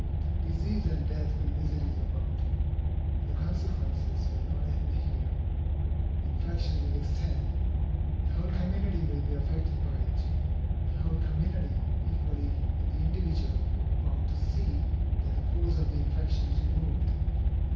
Disease and death will visit his abode. But the consequences will not end here. The infection will extend. The whole community will be affected by it. The whole community, equally with the individual, are bound to see that the cause of the infection is removed.